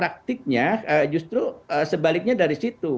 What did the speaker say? taktiknya justru sebaliknya dari situ